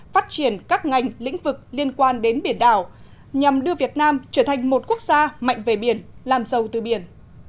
phát triển các ngành lĩnh vực liên quan đến biển đảo nhằm đưa việt nam trở thành một quốc gia mạnh về biển làm giàu từ biển